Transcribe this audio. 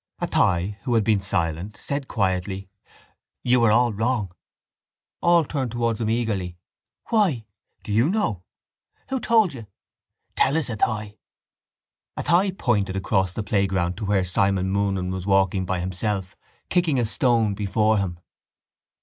Athy, who had been silent, said quietly: —You are all wrong. All turned towards him eagerly. —Why? —Do you know? —Who told you? —Tell us, Athy. Athy pointed across the playground to where Simon Moonan was walking by himself kicking a stone before him.